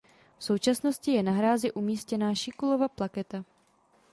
V současnosti je na hrázi umístěná Šikulova plaketa.